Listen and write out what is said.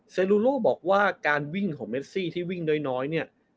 ลูโลบอกว่าการวิ่งของเมซี่ที่วิ่งน้อยเนี่ย